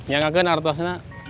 bagaimana artu asna